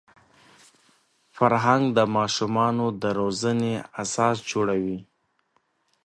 فرهنګ د ماشومانو د روزني اساس جوړوي.